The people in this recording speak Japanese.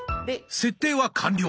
設定は完了。